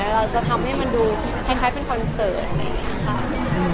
เราจะทำให้มันดูคล้ายเป็นคอนเสิร์ตอะไรอย่างนี้ค่ะ